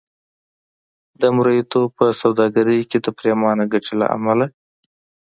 د مریتوب په سوداګرۍ کې د پرېمانه ګټې له امله.